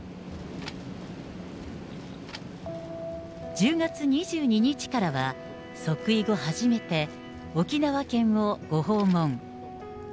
１０月２２日からは、即位後初めて、沖縄県をご訪問。